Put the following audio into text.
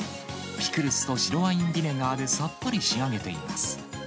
ピクルスと白ワインビネガーでさっぱり仕上げています。